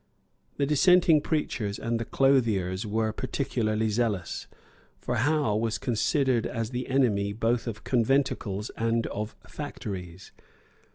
The dissenting preachers and the clothiers were peculiarly zealous. For Howe was considered as the enemy both of conventicles and of factories.